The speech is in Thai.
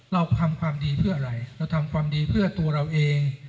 เราทำความดีเพื่ออะไรเราทำความดีเพื่อตัวเราเอง